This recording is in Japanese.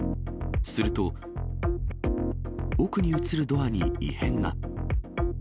すると、奥に写るドアに異変が。